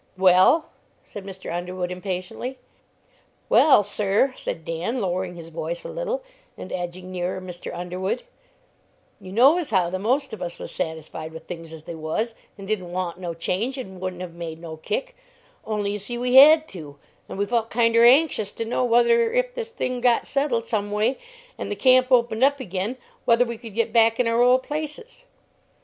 "Well?" said Mr. Underwood, impatiently. "Well, sir," said Dan, lowering his voice a little and edging nearer Mr. Underwood, "you know as how the most of us was satisfied with things as they was, and didn't want no change and wouldn't have made no kick, only, you see, we had to, and we felt kinder anxious to know whether if this thing got settled some way and the camp opened up again, whether we could get back in our old places?"